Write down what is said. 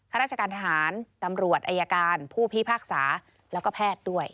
ราชการทหารตำรวจอายการผู้พิพากษาแล้วก็แพทย์ด้วย